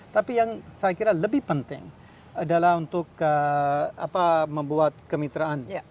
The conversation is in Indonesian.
tapi yang saya kira lebih penting adalah untuk membuat kemitraan